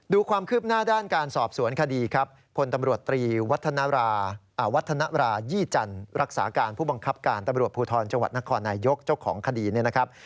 ดูความคืบหน้าด้านการสอบสวนคดีครับพลตำรวจตรีวัฒนาวัฒนรายี่จันทร์รักษาการผู้บังคับการตำรวจภูทรจังหวัดนครนายยกเจ้าของคดีเนี่ยนะครับ